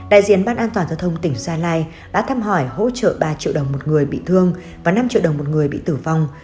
đại diện ban an toàn giao thông tỉnh gia lai đã thăm hỏi hỗ trợ ba triệu đồng một người bị thương và năm triệu đồng một người bị tử vong